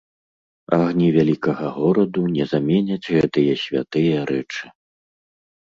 Агні вялікага гораду не заменяць гэтыя святыя рэчы.